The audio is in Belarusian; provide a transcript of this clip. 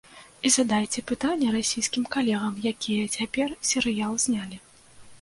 І задайце пытанне расійскім калегам, якія цяпер серыял знялі.